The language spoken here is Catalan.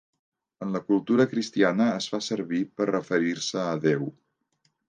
En la cultura cristiana es fa servir per referir-se a Déu.